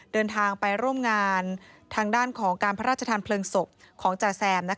เดินทางไปร่วมงานทางด้านของการพระราชทานเพลิงศพของจาแซม